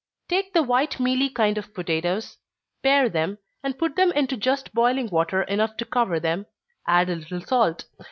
_ Take the white mealy kind of potatoes pare them, and put them into just boiling water enough to cover them add a little salt.